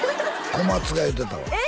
小松が言うてたわえ